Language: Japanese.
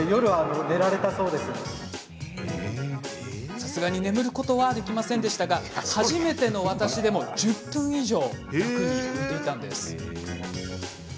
さすがに眠ることはできませんでしたが初めての私でも１０分以上楽に浮いていたんです。